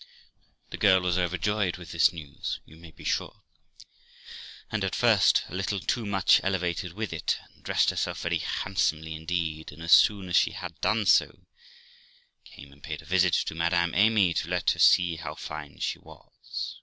The girl was overjoyed with this news, you may be sure, and at first a little too much elevated with it, and dressed herself very handsomely indeed, and, as soon as she had done so, came and paid a visit to Madam Amy, to let her see how fine she was.